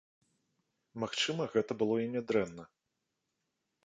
Магчыма, гэта было і нядрэнна.